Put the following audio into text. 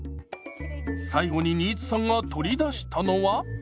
最後に新津さんが取り出したのは。